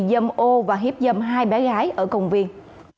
dâm ô và hiếp dâm hai bé gái ở công viên